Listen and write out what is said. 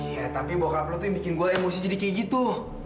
iya tapi bok abloh tuh yang bikin gue emosi jadi kayak gitu